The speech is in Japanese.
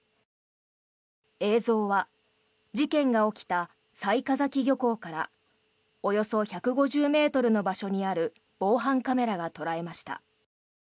映像は事件が起きた雑賀崎漁港からおよそ１５０ｍの場所にある防犯カメラが捉えました。